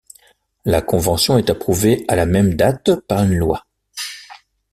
La convention est approuvée à la même date par une loi.